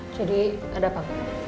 jadi ada apa